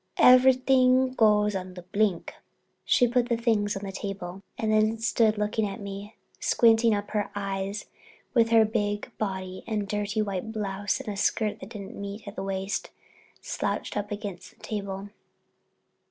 Everything goes on the blink." She put the things on the table and then stood looking at me, squinting up her little eyes and with her big body, in a dirty white blouse and a skirt that didn't meet it at the waist, slouched up against the table.